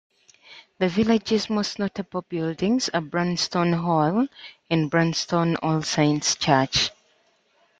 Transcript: The village's most notable buildings are Branston Hall and Branston All Saints' Church.